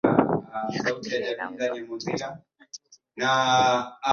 ya kuendelea inaweza kukuchochea Jitoe siku moja